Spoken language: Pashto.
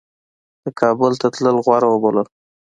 ده کابل ته تلل غوره وبلل.